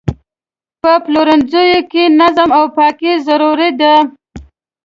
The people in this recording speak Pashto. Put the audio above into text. په پلورنځي کې نظم او پاکي ضروري ده.